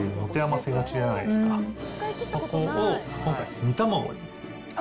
そこを今回、煮卵に。